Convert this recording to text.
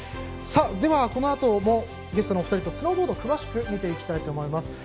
では、このあともゲストのお二人とスノーボードを詳しく見ていきたいと思います。